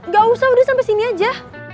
gak usah udah sampai sini aja